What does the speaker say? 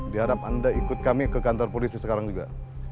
diharap anda ikut kami ke kantor polisi sekarang juga